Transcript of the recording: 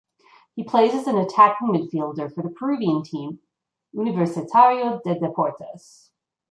He plays as an attacking midfielder for the peruvian team Universitario de Deportes.